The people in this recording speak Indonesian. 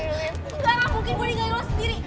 enggak lah mungkin gue tinggal di luar sendiri